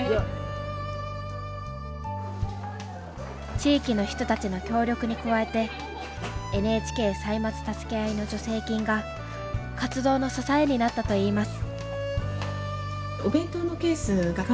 地域の人たちの協力に加えて「ＮＨＫ歳末たすけあい」の助成金が活動の支えになったと言います。